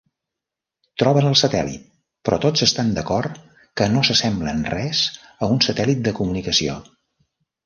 Troben el satèl·lit, però tots estan d'acord que no s'assembla en res a un satèl·lit de comunicació.